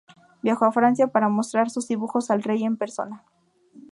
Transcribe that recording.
Viajó a Francia para mostrar sus dibujos al rey en persona.